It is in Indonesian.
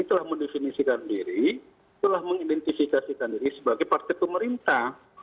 telah mendefinisikan diri telah mengidentifikasikan diri sebagai partai pemerintah